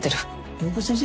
陽子先生